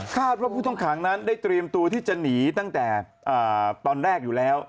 ว่าผู้ต้องขังนั้นได้เตรียมตัวที่จะหนีตั้งแต่ตอนแรกอยู่แล้ว